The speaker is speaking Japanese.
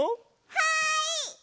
はい！